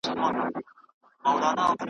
او سره له هغه چي تقر یباً ټول عمر یې .